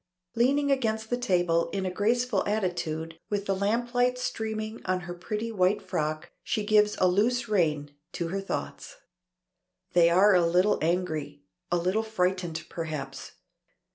Leaning against the table in a graceful attitude, with the lamplight streaming on her pretty white frock, she gives a loose rein to her thoughts. They are a little angry, a little frightened perhaps.